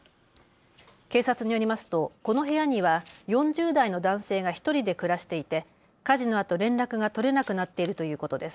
警察によりますとこの部屋には４０代の男性が１人で暮らしていて火事のあと連絡が取れなくなっているということです。